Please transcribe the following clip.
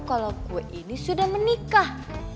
kalau kue ini sudah menikah